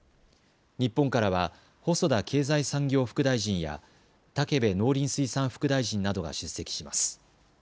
日本からは細田経済産業副大臣や武部農林水産副大臣などが出席します。